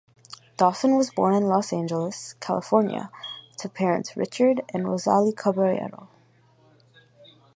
Dawson was born in Los Angeles, California, to parents Richard and Rosalie Caballero.